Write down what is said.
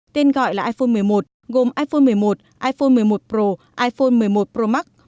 tên gọi là iphone một mươi một gồm iphone một mươi một iphone một mươi một pro iphone một mươi một pro max